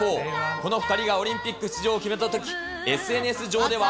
この２人がオリンピック出場を決めたとき、ＳＮＳ上では。